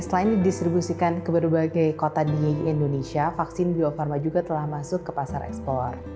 selain didistribusikan ke berbagai kota di indonesia vaksin bio farma juga telah masuk ke pasar ekspor